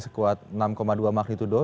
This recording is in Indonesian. sekuat enam dua magnitudo